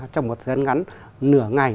trong một thời gian ngắn nửa ngày